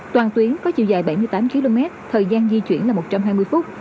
toàn tuyến có chiều dài bảy mươi tám km thời gian di chuyển là một trăm hai mươi phút